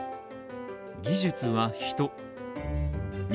技術は人。